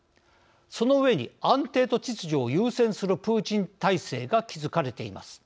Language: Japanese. その上に、安定と秩序を優先するプーチン体制が築かれています。